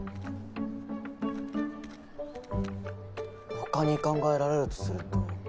他に考えられるとすると。